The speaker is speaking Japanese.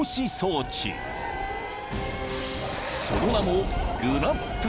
［その名も］